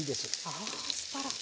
あアスパラ。